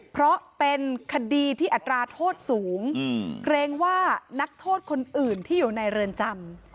เพราะเป็นคดีที่อัตราโทษสูงเกรงว่านักโทษคนอื่นที่อยู่ในเรือนจำ